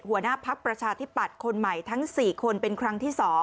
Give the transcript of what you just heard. หัวหน้าพักประชาธิปัตย์คนใหม่ทั้ง๔คนเป็นครั้งที่๒